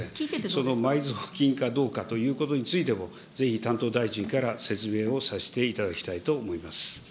その埋蔵金かどうかということについても、ぜひ担当大臣から説明をさせていただきたいと思います。